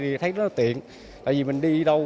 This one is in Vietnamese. thì thấy nó tiện tại vì mình đi đâu